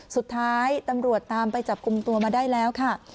สุดท้ายตำรวจตามไปจับกลุ่มตัวมาได้แล้วค่ะ